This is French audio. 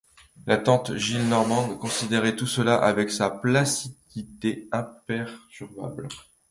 La tante Gillenormand considérait tout cela avec sa placidité imperturbable.